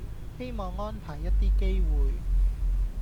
希望安排一啲機會